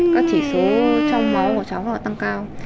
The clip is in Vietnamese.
các chỉ số trong máu của cháu tăng cao